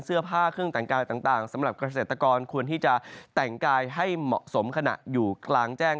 เสื้อผ้าเครื่องแต่งกายต่างสำหรับเกษตรกรควรที่จะแต่งกายให้เหมาะสมขณะอยู่กลางแจ้ง